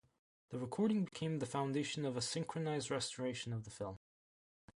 The recording became the foundation of a "synchronized restoration" of the film.